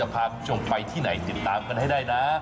พาคุณผู้ชมไปที่ไหนติดตามกันให้ได้นะ